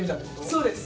そうです！